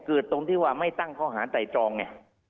เกิดตรงที่ว่าไม่ตั้งข้อหาใจจองไง